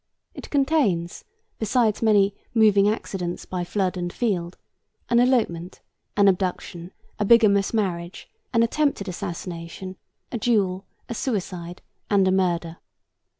It contains, besides many 'moving accidents by flood and field,' an elopement, an abduction, a bigamous marriage, an attempted assassination, a duel, a suicide, and a murder.